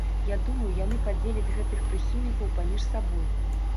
Я думаю, яны падзеляць гэтых прыхільнікаў паміж сабой.